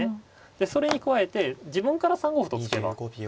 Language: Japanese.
でそれに加えて自分から３五歩と突けば。